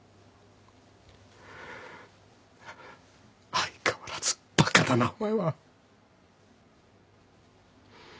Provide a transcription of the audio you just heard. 相変わらずバカだなお前は。